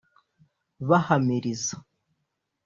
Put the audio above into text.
bahamiriza